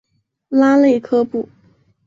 拉内科布。